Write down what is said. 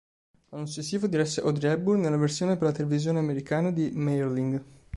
L'anno successivo diresse Audrey Hepburn nella versione per la televisione americana di "Mayerling".